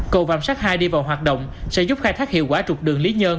cầu vạm sát hai đi vào hoạt động sẽ giúp khai thác hiệu quả trục đường lý nhơn